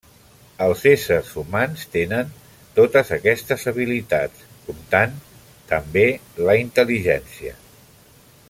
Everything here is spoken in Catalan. Els éssers humans tenen totes aquestes habilitats, comptant, també, la intel·ligència.